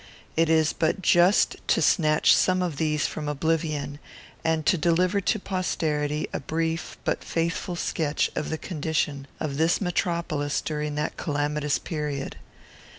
It is but just to snatch some of these from oblivion, and to deliver to posterity a brief but faithful sketch of the condition of this metropolis during that calamitous period.